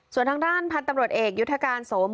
ส่วนทางด้านพันธุ์ตำรวจเอกยุทธการสม